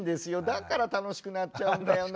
だから楽しくなっちゃうんだよなって。